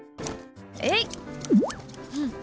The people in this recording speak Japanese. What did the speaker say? えい！